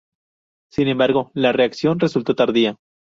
Sin embargo la reacción resultó tardía.